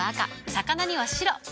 魚には白。